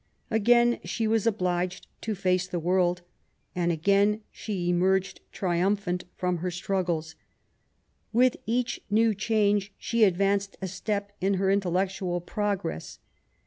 Again she waa obliged to face the worlds and again she emerged triumphant from her struggles. With each new change she advanced a step in her intellectual progress.